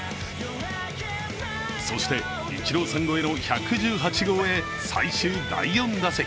そしてイチローさん超えの１１８号へ最終第４打席。